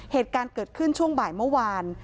เหตุการณ์เกิดขึ้นช่วงบ่ายเมื่อวาน